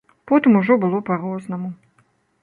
Потым ужо было па-рознаму.